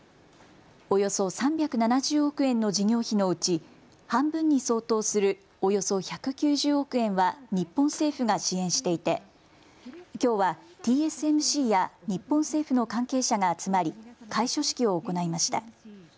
およそ３７０億円の事業費のうち、半分に相当するおよそ１９０億円は日本政府が支援していて、きょうはＴＳＭＣや日本政府の関係者が集まり開所式を行いました。